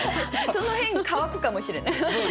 その辺乾くかもしれない。